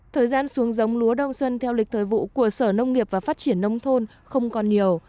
thời gian xuống giống lúa đông xuân theo lịch thời vụ của sở nông nghiệp và phát triển nông thôn không còn nhiều